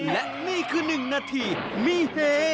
และนี่คือหนึ่งนาทีมีเฮ